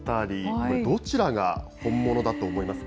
これ、どちらが本物だと思いますか？